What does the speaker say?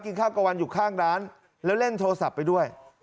ข้าวกระวันอยู่ข้างร้านแล้วเล่นโทรศัพท์ไปด้วย